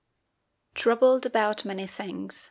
"TROUBLED ABOUT MANY THINGS."